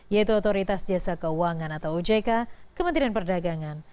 yaitu otoritas jasa keuangan atau ojk kementerian perdagangan